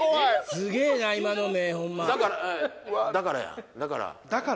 すげえな今の目ホンマだかだからやだから？